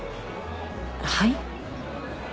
はい？